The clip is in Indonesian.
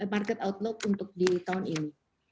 market outlook untuk di tahun ini